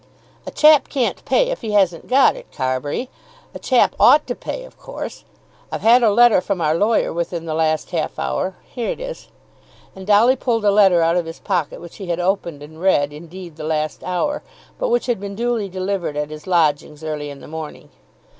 "A chap can't pay if he hasn't got it, Carbury. A chap ought to pay of course. I've had a letter from our lawyer within the last half hour here it is." And Dolly pulled a letter out of his pocket which he had opened and read indeed within the last hour, but which had been duly delivered at his lodgings early in the morning.